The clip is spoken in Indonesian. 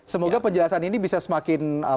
semoga penjelasan ini bisa semakin